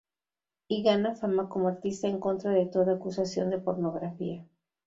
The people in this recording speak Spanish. Y gana fama como artista en contra de toda acusación de pornografía.